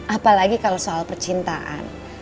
apalagi kalau soal percintaan